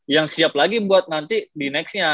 yang siap lagi buat nanti di next nya